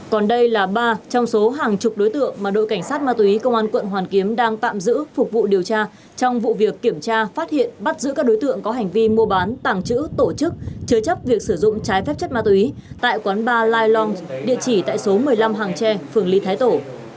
còn đây là ba trong số hàng chục đối tượng mà đội cảnh sát ma túy công an quận hoàn kiếm đang tạm giữ phục vụ điều tra trong vụ việc kiểm tra phát hiện bắt giữ các đối tượng có hành vi mua bán tàng trữ tổ chức chứa chấp việc sử dụng trái phép chất ma túy tại quán ba liloms địa chỉ tại số một mươi năm hàng tre phường lý thái tổ